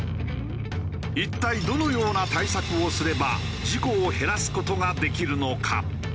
一体どのような対策をすれば事故を減らす事ができるのか？